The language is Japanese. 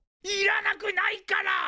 いらなくないから！